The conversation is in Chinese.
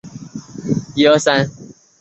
车站最早的需求来自米德兰铁路公司。